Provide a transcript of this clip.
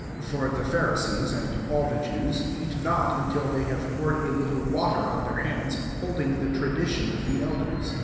3 (For tke Pharisees, and all the Jews, eaft not until they have poured a little water on their huids; holding the tradition of the d ders.